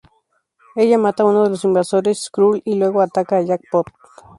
Ella mata a uno de los invasores Skrull y luego ataca a Jackpot.